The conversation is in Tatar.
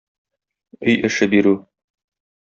Өй эше бирү.